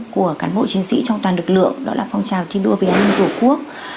của cán bộ chiến sĩ trong toàn lực lượng đó là phong trào thi đua về an ninh tổ quốc